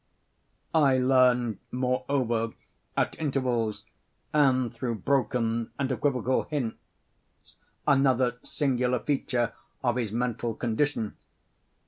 I learned, moreover, at intervals, and through broken and equivocal hints, another singular feature of his mental condition.